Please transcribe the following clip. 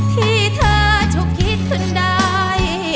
ที่เธอถูกคิดขึ้นได้